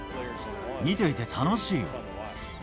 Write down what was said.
見ていて楽しいよ。